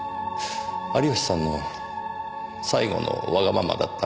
有吉さんの最後のわがままだったのですね？